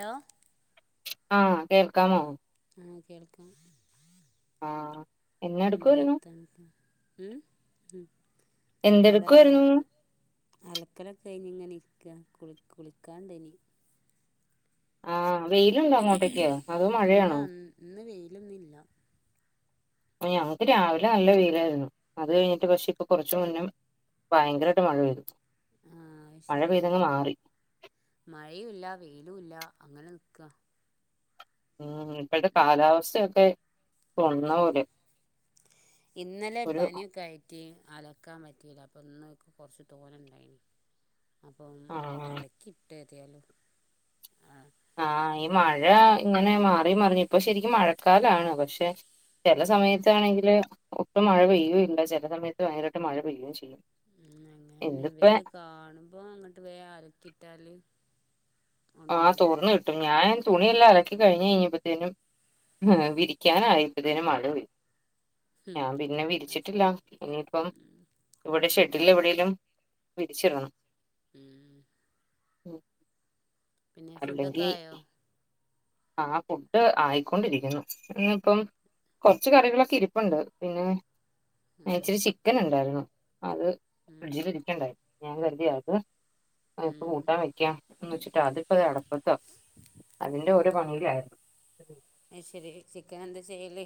Hello? ആ കേൾക്കാമോ? ആ കേൾക്കാം. ആഹ് എന്നെ എന്താ എടുക്കുവായിരുന്നു വർത്തനൊക്കെ? ഉം ഉം ഇവടെ എന്തെടുക്കുവായിരുന്നു ഉം അലക്കലൊക്കെ കഴിഞ്ഞിങ്ങനിരിക്ക കുളി കുളിക്കാണ്ടെയ്നി. ആ വെയിലുണ്ടോ അങ്ങോട്ടേക്ക് അതോ ഇല്ല മഴയാണോ? ഇന്ന് വെയിലൊന്നില്ല. ഏ ഞങ്ങക്ക് രാവിലെ നല്ല വെയിലായിരുന്നു അത് കഴിഞ്ഞിട്ട് പക്ഷെ ഇപ്പൊ കൊറച്ചു മുന്നെ ഭയങ്കരായ്ട്ട് മഴ പെയ്തു. ആ മഴ അഹ്ശരി പെയ്തങ്ങ് ഇന്ന് മാറി മഴയുല്ല വെയിലുല്ല അങ്ങനെ ന്ക്ക. [unintelligible] ഇവടേ ഉം കാലാവസ്ഥയൊക്കെ തോന്നുന്ന പോലെ ഒരു റ്റി അലക്കാൻ പറ്റില്ല അപ്പൊന്ന് ക്ക് കൊർച്ച് തോനെ ണ്ടായിനി. അപ്പം ആഹ് അലക്കിട്ട് എതായാലും ആ ആ ഈ മഴ ഇങ്ങനെ മാറി മറിഞ്ഞ് ഇപ്പൊ ശരിക്കും മഴക്കാലാണ് പക്ഷെ ഉം ചെല സമയത്താണെങ്കില് ഒട്ടും മഴ പെയ്യുല്ല ചെല സമയത്ത് [unintelligible] മഴ പെയ്യും ചെയ്യും. ഉം അങ്ങനന്നെ ഇന്നിപ്പോ വെയില് കാണുമ്പോ അങ്ങട്ട് വേം അലക്കിട്ടാല് ആ തോർന്ന് കിട്ടും ഞാൻ തുണിയല്ല അലക്കി കഴിഞ്ഞ് കഴിഞ്ഞപ്പത്തേനും വിരിക്കാന് ആയപ്പോത്തേനും മഴ പെയ്തു. ഉം ഞാൻ പിന്നെ അത് വിരിച്ചിട്ടില്ല ശരി ഇനിയിപ്പം ഉം ഇവിടെ ഉം ഷെഡിൽ എവിടേലും വിരിച്ചിടണം ഉം പിന്നെ അല്ലെങ്കി ഫുഡൊക്കായോ? ആ ഫുഡ് ആയിക്കൊണ്ടിരിക്കുന്നു ഇന്ന്പ്പം കൊർച്ച് കറികളൊക്കെ ഇരിപ്പുണ്ട് പിന്നെ ഏ ഉം ഇച്ചിരി ചിക്കൻ ഇണ്ടായിരുന്നു അത് ഫ്രിഡ്ജിൽ ഇരിക്ക്ണ്ടായി ഞാൻ കരുതി അത് അഹ്പ്പം ഉം കൂട്ടാവെക്ക്യാം എന്ന് വെച്ച്ട്ടാ അതിപ്പോ ദേ അടപ്പത്താ അതിന്റെ ഒ ഒരു ഭംഗി ആരുന്നു അഹ്ശരി ഇ ചിക്കനെന്താ ചെയ്യല്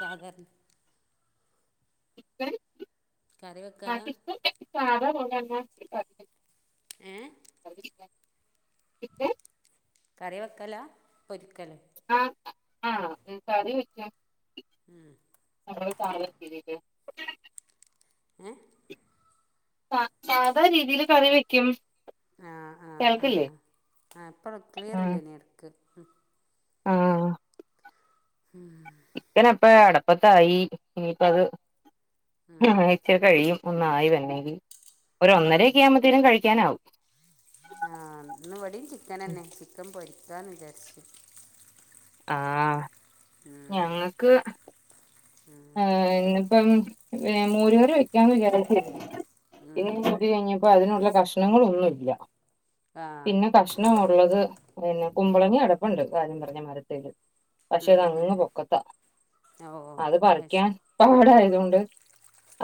സാധാരണ? കറി വെക്കലാ [unintelligible] ഏഹ് [unintelligible] കറിവെക്കല പൊരിക്കലോ? ആ ആ കറി വെക്ക. ആഹ് ഏ [unintelligible] സാ സാധാ രീതിയിൽ കറി വെക്കും. ആ ആ ആ കേൾക്കില്ലേ ആ ഇപ്പം ക്ലിയർ ആഹ് ഇല്ലേനി എടക്ക് ഉം ആഹ് ഉം ചിക്കൻ എപ്പഴാ അട്പ്പത്തായി ഇനിയിപ്പ ഹാ ഉം ഇച്ചിരി കഴിയും ഒന്നായി വന്നേനി ഒരു ഒന്നരേക്ക ആവുംമ്പത്തേനും കഴിക്കാനാവും ആഹ് ഇന്ന് ഇവിടെയും ചിക്കനന്നെ ചിക്കൻ പൊരിക്കാന്ന് വിചാരിച്ച് ആഹ് ഞങ്ങക്ക് ആ ഇന്നിപ്പം മോര് കറി വെക്കാന്ന് വിചാരിച്ച് ഉം പിന്ന ഇത് കഴിഞ്ഞു ഇപ്പൊ അതിനൊള്ള കഷ്ണങ്ങളൊന്നുല്ല ആ പിന്നെ കഷ് കഷ്ണം ഒള്ളത് പിന്നെ കുമ്പളങ്ങി അടുപ്പൊണ്ട് കാര്യം പർഞ്ഞ മരത്തേല് പക്ഷെ അതങ്ങ് പൊക്കത്താ ഓ അത് പർ പാടായതോണ്ട്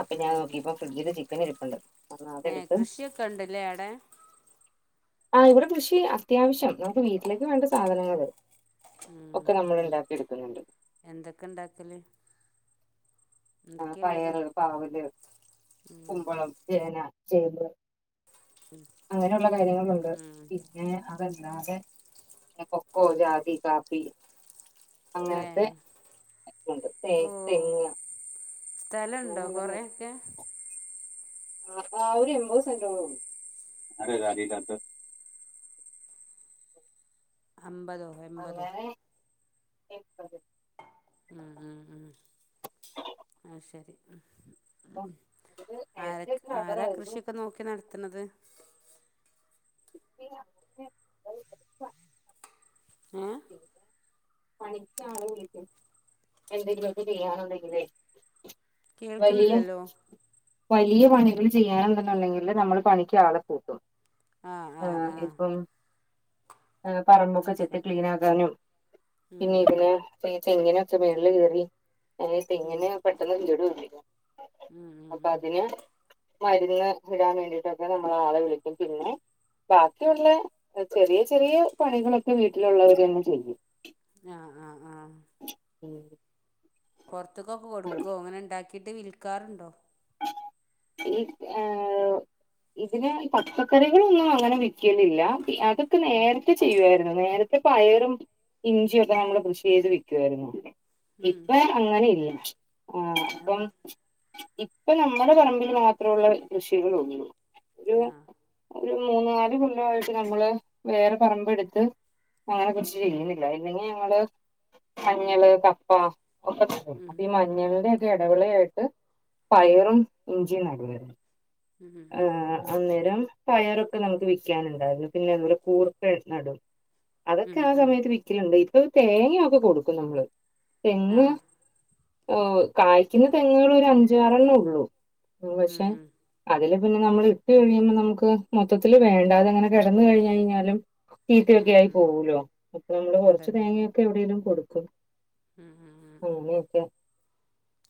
അപ്പൊ ഞാൻ ഉം നോക്കിപ്പോ ഫ്രിഡ്ജില് ചിക്കൻ ഇരിപ്പൊണ്ട് ഏ കൃഷിയൊക്കെണ്ടല്ലേ അവ്ടെ ആ ഇവിടെ കൃഷി അത്യാവശ്യം നമുക്ക് വീട്ടിലേക്ക് വേണ്ട സാധനങ്ങള് ഒക്കെ നമ്മള് ഒണ്ടാക്കി എടുക്കുന്നൊണ്ട് എന്തൊക്കിണ്ടാക്കല് ആ പയറ് പാവല് കുമ്പളം ചേന ചേമ്പ് അങ്ങനൊള്ള കാര്യങ്ങളൊണ്ട് ഉം പി പിന്നെ അതല്ലാതെ കൊക്കോ ജാതി കാപ്പി ഏ അങ്ങനത്തെ കൊണ്ട് തെ തെങ്ങ് സ്ഥലൊണ്ടോ അങ്ങനെയുള്ള കൊറേയക്കെ അപ്പോ ആ ഒരു എമ്പത് സെന്റൊ [unintelligible] അമ്പതോ എൺപതോ അങ്ങനെ എമ്പത് ഉം ഉം ഉം ആ ശരി ഉം ഇപ്പൊ ഉം അതില് ആര നേരത്തെ ആരാ റബ്ബറായിരുന്നു കൃഷിയൊക്കെ നോക്കി നടത്തണത് [unintelligible] [inaudible] ഏഹ് പണിക്കാള വിളിക്കും എന്തെങ്കിലൊക്കെ ചെയ്യാനുണ്ടെങ്കിലെ വലിയ കേൾക്കണില്ലല്ലോ വലിയ പണികൾ ചെയ്യാനുണ്ടെന്നുണ്ടെങ്കില് നമ്മള് പണിക്ക് ആളെ കൂട്ടും ആ ആ ആഹ് പറമ്പൊക്കെ ചെത്തി ശരി ക്ലീനാക്കാനും ഉം പിന്നെ ഉം ഇതിനെ തെങ്ങിനൊക്കെ മേൾ കേറി അതീ തെങ്ങിന് ഉം പെട്ടെന്ന് വീട് വെപ്പിക്കും ഉം ഉം ഉം അപ്പതിന് മരുന്ന് ഇടാൻ വേണ്ടിട്ടൊക്കെ നമ്മള് ആളെ വിളിക്കും പിന്നെ ബാക്കിയൊള്ള ചെറിയ ചെറിയ പണികളൊക്കെ വീട്ടിലൊള്ളോരന്നെ ചെയ്യും ഞ്ഞ ആഹ് ആഹ് ഉം പൊർത്ത്ക്ക്ക്ക കൊടുക്കുവോ അങ്ങനൊണ്ടാക്കിട്ട് വിൽക്കാറുണ്ടോ ഈ ആ ഇതിന് പച്ചക്കറികളൊന്നും അങ്ങനെ വിക്കുന്നില്ല അത് നേരത്തെ ചെയ്യുവാരുന്നു നേരത്തെ പയറും ഇഞ്ചിയൊക്കെ നമ്മള് കൃഷി ചെയ്ത് വെക്കുവാരുന്നു ഇപ്പ അങ്ങനെ ഇല്ല ആ അത് ഇപ്പം ഇ ഇപ്പൊ നമ്മുടെ പറമ്പിൽ മാത്രൊള്ള കൃഷികളെ ഒള്ളൂ ഒരു ആ ഒരു മൂന്നാല് കൊല്ലായിട്ട് നമ്മള് വേറെ പറമ്പെടുത്ത് അങ്ങനെ കൃഷി ചെയ്യുന്നില്ല ഇല്ലെങ്കി ഞങ്ങള് മഞ്ഞള് കപ്പ ഒക്കെ കിട്ടും അപ്പ ഈ മഞ്ഞൾന്റെ ഒക്കെ എടവളയായിട്ട് പയറും ഇഞ്ചിയും നല്ലത് ഉം ഉം ഏ ഉം അന്നേരം പയറൊക്കെ നമുക്ക് വിൽക്കാനുണ്ടായിരുന്നു. പിന്നെ നമ്മള് കൂർക നടും അതൊക്കെ ഉം ആ ഉം ഉം സമയത്ത് വി ഒലുണ്ട് ഇപ്പൊ തേങ്ങൊക്കെ കൊടുക്കും നമ്മള്. ആ തെങ്ങ് ഹോ കായ്ക്കുന്ന തെങ്ങുകൾ ഒരു അഞ്ചാറെണ്ണം ഉള്ളൂ. ഉം പക്ഷെ ഉം അതില് പിന്നെ നമ്മള് ഇട്ട് കഴിയുമ്പോ നമുക്ക് മൊത്തത്തില്ൽ വേണ്ട അതെ അങ്ങനെ കിടന്ന് കഴിഞ്ഞ് കഴിഞ്ഞാലും. ഉം ചീത്തയൊക്കെ ആയി ഉം പോകലോ അപ്പൊ നമ്മള് കൊറച്ച് അതന്നെ തേങ്ങയൊക്കെ എവിടെേങ്കിലും കൊടുക്കും. ഉം ഉ ഉ അങ്ങനെയൊക്കെ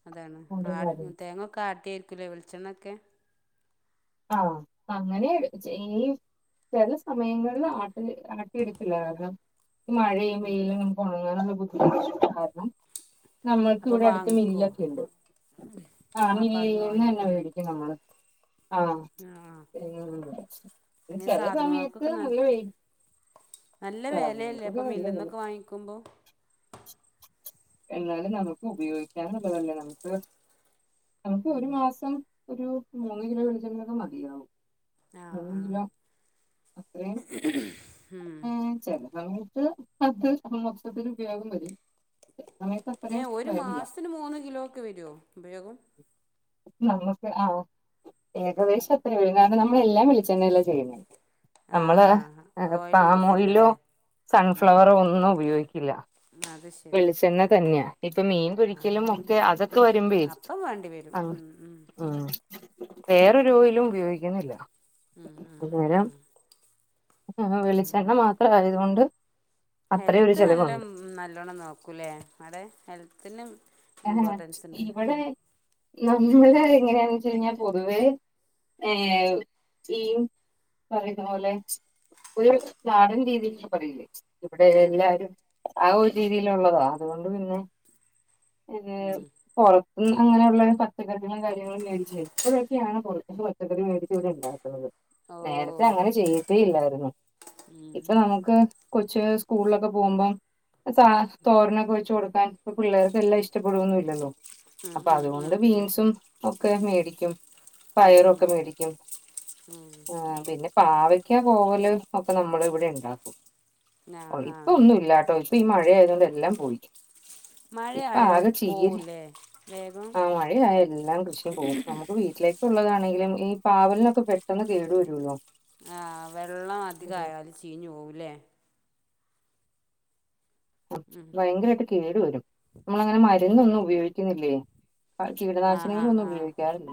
അതാണ് ആ ഓരോ കാര്യം തേങ്ങക്കെ ആടി കിടുലോ വളിച്ചെണ്ണൊക്കെ? ആഹ അങ്ങനെ നട് ചെയ്യും. ചില സമയങ്ങളിൽ ആട്ടി ആട്ടിയിടിച്ചില്ല കാരണം. ഈ മഴയും വെയിലും നമുക്ക് ഉണങ്ങാനുള്ള ബുദ്ധിമുട്ട് കാരണം. നമ്മൾക്ക് അപ്പം ഇവിടെ അടുത്ത് മില്ല് വാങ്ങിക്കുവോ ഒക്കെ യുണ്ട്. ആ അപ്പം അവിടുന്ന് നീന്ന് തന്നെ വാങ്ങിക്കൂലേ മേടിക്കും നമ്മള് ആഹ ആ ആ പി അങ്ങനെ ചില സമയത്ത് സാധനങ്ങൾക്കൊക്കെ നല്ല വൈല് നല്ല വലയല്ലേ അപ്പൊ നല്ല വില മില്ല്ന്നൊക്കെ വാങ്ങിക്കുമ്പോ? എന്നാലും നമുക്ക് ഉപയോഗിക്കാനുള്ളള്ളതല്ലേ നമുക്ക് നമുക്ക് ഒരു മാസം. ഒരു മൂന്ന് കിലോ വിളിച്ചെങ്കനൊക്കെ മതിയാകവും. ആഹ ആഹ ഏ ചിലതഞ്ഞിട്ട് അത് മോക്ഷത്തിന് ഉപയോഗം വരും. സമയത്ത് ഏ അത്രയും ഒരു വരില്ല മാസത്തിന് മൂന്ന് കിലോ ഒക്കെ വരെ ഉപയോഗം. നമുക്ക് ആഹ ഏകദേശം കാരണം നമ്മളെല്ലാം വിളിച്ചെണ്ണല്ല ചെയ്യേ ആ നമ്മള് ഓയിൽ പാം യൂസ് ഓയിലോ ഇല്ലല്ലേ സൺഫ്ലവറോ ഒന്നും ഉപയോഗിക്കില്ല. അത് ശ ശരി വെളിച്ചെണ്ണ ആ തന്നെയാ ഇപ്പൊ മീൻ ആഹ പൊരിക്കലും ഒക്കെ അതൊക്കെ വരുമ്പേ അപ്പം വേണ്ടി വരും ഉ ഉ [inaudible] വേറൊരുയിലും ഉപയോഗിക്കുന്നില്ല ഉം ഉം ഉം അനോരം വെളിച്ചെണ്ണ മാത്രം ആയതുകൊണ്ട്. അത്രയും ഒരു ഹെൽത്ത് നല്ല ചെലവുണ്ട് നല്ലോണം നോക്കൂല്ലേ അടെ ഹെൽത്തിനന്. ആഹ ഇവിടെ ഉം നമ്മള് എങ്ങനെയാന്ന് വച്ച കഴിഞ്ഞാ പൊതുവേ ഏ ഗ്രീൻ കറി വെക്കണ പോലെ ഒരു നാടൻ രീതിക്കി പറയില്ലേ ഇവിടെ ആ എല്ലാരും ആ ഒരു രീതിയില ഉള്ളതോ അതുകൊണ്ട് പിന്നെ ഏ ഉം പുറത്തും അങ്ങനെയുള്ള പച്ചക്കറികളും ക ഇപ്പോഴൊക്കെയാണ് പുറ പച്ചക്ക മേടിച്ചല ഉണ്ടാക്കുന്നത് ഓ നേരത്തെ അങ്ങനെ ചെയ്യട്ടേ ഇല്ലായിരുന്നു. ഉം ഇപ്പൊ നമുക്ക് കൊച്ച് സ്കൂളിലൊക്കെ പോകുമ്പം തോരനൊക്കെ വെച്ച് കൊടുക്കാൻ പിള്ളേർക്ക്. തെല്ലാം ഇഷ്ടപ്പെടൊന്ന ഇല്ലല്ലോ ഉം അപ്പൊ ഉം അതുകൊണ്ട് ഉം ഉം ബീൻസും ഒക്കെ മേടിക്കും. പയറൊക്കെ മേടിക്കും ആ പിന്നെ പാവക്കാ കോവല് ഒക്കെ നമ്മൾ ഇവിടെ ഉണ്ടാക്കും. ആ ആ ഇപ്പൊ ഒന്നും ഇല്ലാട്ടോ ചോ. അപ്പ ഈ മഴയതുകൊണ്ട് എല്ലാം പോയി. ഇപ്പൊ മഴയായാൽ ആകെ ചീരെ പോവൂലേ വേഗം ആ മഴയ എല്ലാം കൃഷിയും പോകും. നമുക്ക് വീട്ടിലേക്ക്. ഉള്ളതാണെങ്കിലും ഈ പാവലിനൊക്കെ പെട്ടെന്ന് കേടു വരുല്ലോ ആ വെള്ളം അധികം ആയാല് ചീഞ്ഞു പോകുല്ലേ. ഭയങ്കരമായിട്ട് കേടു വരും നമ്മൾ അങ്ങനെ മരുന്നൊന്നും ഉപയോഗിക്കുന്നില്ലേ. ആ ആ കീടനാശിനികളൾ ഒന്നും ആ ഉപയോഗിക്കാറില്ല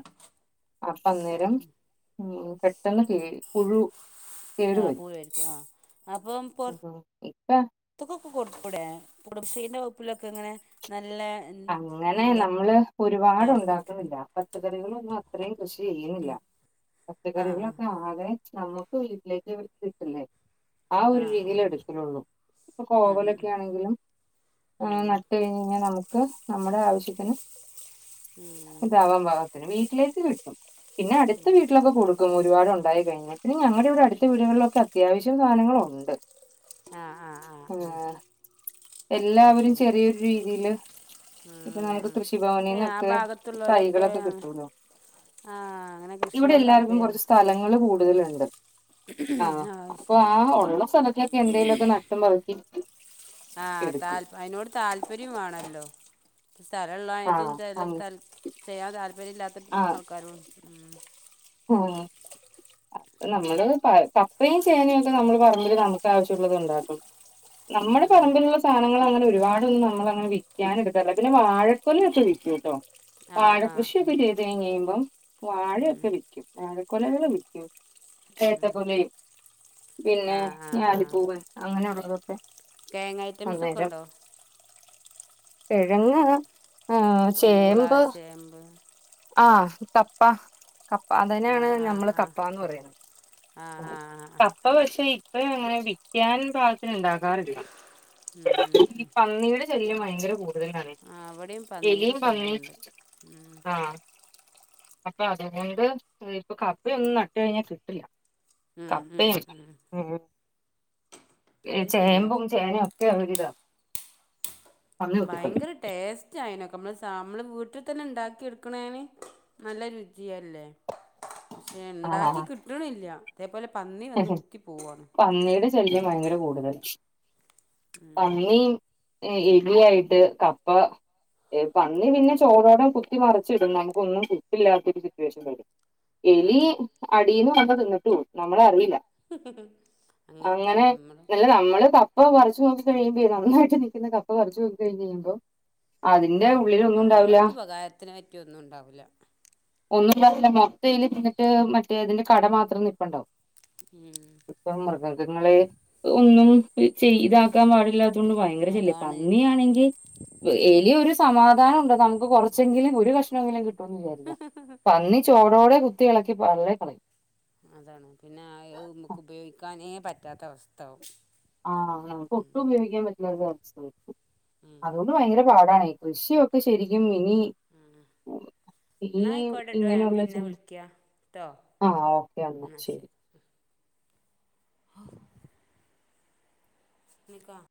അപ്പൊ അന്നേരം. ഉം പെട്ടെന്ന് കേ പുഴു കേടു ആ വരും. പൂഴുവരിക്കും ആ അപ്പം പൊറ ഇപ്പ ത്ത് ക്കൊക്കെ കൊടുത്തുടെ കുടുംശ്രീന്റെ വകുപ്പിലൊക്കെ ഇങ്ങനെ നല്ല അങ്ങനെ എന്താ നമ്മള് ഫുഡ് ഒരുപാട്ണ്ടാക്കണില്ല പച്ചക്കറികളൊന്നും അത്രയും കൃഷി ചെയ്യുന്നില്ല ആ ആ പച്ചക്കറികളൊക്കെ ആകെ നമ്മുക്ക് വീട്ടിലേക്ക് എവിടുത്തിട്ടില്ലേ ആ ഒരു രീതിയിൽ എടുക്കുള്ളു ഇപ്പൊ ഉം ഉം കോവലൊക്കെ ആണെങ്കിലും ആ ഉം നട്ട കഴിഞ്ഞാൽ നമുക്ക് നമ്മുടെ ആവശ്യത്തിന് ഉം ഇതാവാൻ പാകത്തിന് വീട്ടിലേക്ക് കിട്ടും പിന്നെ അടുത്ത വീട്ടിലൊക്കെ കൊടുക്കും ഖം ഒരുപാടു ഉണ്ടായി കഴിഞ്ഞു പിന്നെ ഞങ്ങളുടെ ഇവിടെ അടുത്ത വീടുകളിലൊക്കെ അത്യാവശ്യം സാധനങ്ങളുണ്ട് ആഹ ആഹ് ആഹ് ഉം ആഹ് എല്ലാവരും ചെറിയൊരു രീതിയില് ഉ ഇപ്പൊ നമുക്ക് ഏ ആ കൃഷിഭവനീന്നൊക്കെ ഭാഗത്തുള്ളവലൊക്കെ തൈകളൊക്കെ കിട്ടൂലോ. ആഹ് അങ്ങനെ കൃഷിനോട് താല്പര്യള്ള സ്ഥലങ്ങള്ൾ കൂടുതലുണ്ട് ആഹ ആഹ് അപ്പൊ ശരി ആ ഉള്ള സ്ഥലത്തിലൊക്കെ എന്തെേലുമൊക്കെ നട്ടും പക്കി ആഹ് താൽ അതിനോട് താല്പര്യം വേണല്ലോ സ്ഥലമള്ളായിട്ടും ആഹ് ചില അങ്ങ് ത ചെയ്യാൻ താല്പര്യം ഇല്ലാത്ത ആൾക്കാരുംണ്ട് ഉ അപ്പ അതാണ് നമ്മള് [unintelligible] ഇത്രയും ചേനയും ഒക്കെ നമ്മള് പറമ്പിൽ നമുക്ക് ആവശ്യമുള്ളത് ഉണ്ടാക്കും നമ്മുടെ ഉം പറമ്പിലുള്ള സാധനങ്ങൾ അങ്ങനെ ഒരുപാടൊന്നും നമ്മൾ അങ്ങനെ വിൽക്കാന് എടുക്കല്ല പിന്നെ വാഴക്കൊല്ലൊക്കെ വിൽക്കൂ കേട്ടോ വാഴ ആഹ് ആഹ് കൃഷിയൊക്കെ ചെയ്ത് കഴിഞ് കഴിയുമ്പം ഉം വാഴയക്കെ വിൽക്കും വാഴക്കൊലകൾ വിൽക്കും ഉം ത്തപൊലയും പിന്നെ ആഹ് ആഹ് ഞാാലിപ്പൂവൻ അങ്ങനെയുള്ളതൊക്കെ കേങ് ഐറ്റംസ് ഒക്കെ അന്നേരം ഉണ്ടോ കിഴങ്ങ് ആർ പൂള ചേമ്പ് ചേമ്പ് ആ കപ്പ കപ്പ അതന്നെയാണ് ആഹ് ആഹ് നഞമ്മള് ആഹ് കപ്പന്ന് പറയുന്നത് ആഹ് ഇപ്പ പക്ഷെ ഇപ്പ അങ്ങനെ വിക്കാൻ പാകത്തിന് ഉണ്ടാക്കാറില്ല ഉം ഉം ഈ ഉം പന്നിയുടെ ശല്യം ഭയങ്കര കൂ ടുതലാണ് ആ ഇവിടെയും പന്നീന്റെ എലിയും പന്നിയും ശല്യമുണ്ട് ഉം ആഹ് അപ്പൊ അതുകൊണ്ട് ഇപ്പൊ കപ്പയൊന്നും നട്ട് കഴിഞ്ഞാൽ കിട്ടില്ല ഉം ഉം കപ്പയും ഉഠ അത് ശരിയാ ചേമ്പും ചേനയും ഒക്കെയ ഒരിതാ ഭയങ്കര ടേസ്റ്റ് ആയിനൊക്കെ നമ്മള് സ മ്മള് വീട്ടിൽ തന്നെ ഉണ്ടാക്കി എടുക്കണേന നല്ല രുചിയല്ലേ പക്ഷെ ഉണ്ടാക്കി ആഹ് കിട്ടണില്ല ഇതേപോലെ പന്നി വന്ന് കുത്തി പോവാണ് പന്നിയുടെ ശല്യം ഭയങ്കര കൂടുതൽ ഉം പന്നി എലിയിയായിട്ട് കപ്പ പന്നി പിന്നെ ചോടോടം കുത്തി മറിച്ചി ഇടും നമുക്ക് ഒന്നും കിട്ടില്ലാത്തൊരു സിറ്റുവേഷൻ വരും എലി അതാണ് അടീന്നു വന്ന് തിന്നിട്ടു പോകും നമ്മളറിയില്ല അങ്ങനെ തന്നെ നമ്മള് ഇല്ല നമ്മള് ക കപ്പ പറിച്ച് നോക്കി കഴിയുമ്പം നന്നായിട്ട് നിക്കുന്ന കപ്പ പറിച്ച് നോക്കി കഴിയുമ്പോ ആ അതിന്റെ ഉള്ളിലൊന്നും ഉണ്ടാവില്ല നമ്മൾക്ക് ഉപകാരത്തിനെ പറ്റിയൊന്നും ഉണ്ടാവില്ല ഒന്നുംല്ല മൊത്തം എലി തിന്നിട്ട് മറ്റേ ഇതിന്റെ കട മാത്രം നിപ്പുണ്ടാവും ഉം ഇപ്പ മൃഗങ്ങളെ ഒന്നും ചെയ് ഇതാക്കാൻ പാടില്ലാത്ത കൊണ്ട് ഭയങ്കര ശല്യ അതാണ് പന്നിയാണെങ്കിൽ ഉം എലിയൊക്കെ സമാധാനം ഉണ്ട് നമുക്ക് കുറച്ചെങ്കിലും ഒരു കഷ്ണങ്കിലും കിട്ടുമന്ന് വിചാരിക്കാം ഇപ്പതി ചോടോടെ കുത്തി ഇളക്കി [unintelligible] അതാണ് പിന്നെ അഹ് നമുക്ക് ഉപയോഗിക്കാനേ പറ്റാത്ത അവസ്ഥവും ആഹ് നമുക്ക് ഒട്ടും ഉപയോഗിക്കാൻ [unintelligible] ഉം അതുകൊണ്ട് ഭയങ്കര പാടാടീ കൃഷിയൊക്കെ ശരിക്കും ഇനി ആഹ് ഈ ന്നായിക്കോട്ടെട്ടോ ഞാൻ ഇങ്ങനെയുള്ള പിന്നെ ചിന്ത വിളിക്കാ ട്ടോ ആഹ് ഓക്കെ എന്നാ ശരി ശെരി [unintelligible] [unintelligible]